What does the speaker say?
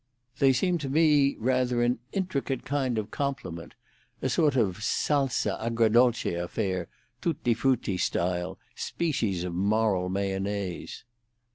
"They appear to be rather an intricate kind of compliment—sort of salsa agradolce affair—tutti frutti style—species of moral mayonnaise."